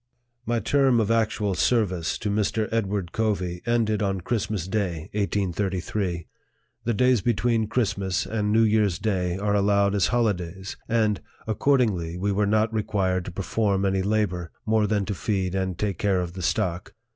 My term of actual service to Mr. Edward Covey 74 NARRATIVE OP THE ended on Christmas day, 1833. The days between Christmas and New Year's day are allowed as holi days ; and, accordingly, we were not required to per form any labor, more than to feed and take care of the stock.